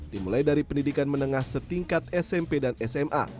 dimulai dari pendidikan menengah setingkat smp dan sma